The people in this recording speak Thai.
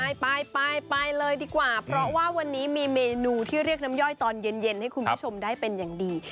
ไปไปเลยดีกว่าเพราะว่าวันนี้มีเมนูที่เรียกน้ำย่อยตอนเย็นให้คุณผู้ชมได้เป็นอย่างดี